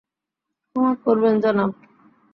ক্ষমা করবেন, জনাব।